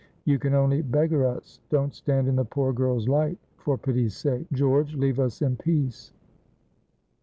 You can only beggar us. Don't stand in the poor girl's light; for pity's sake, George, leave us in peace."